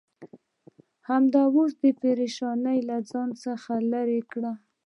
همدا اوس پرېشانۍ له ځان څخه لرې کړه.